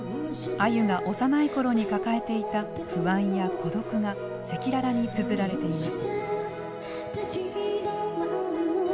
あゆが幼い頃に抱えていた「不安」や「孤独」が赤裸々につづられています。